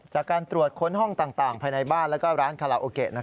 จากการตรวจค้นห้องต่างภายในบ้านและร้านคาราโอเกะ